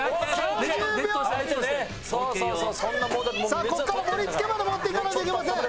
さあここから盛り付けまで持っていかないといけません。